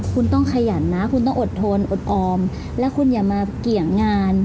คุณต้องขยันนะคุณต้องอดทนอดออมแล้วคุณอย่ามาเกี่ยงงาน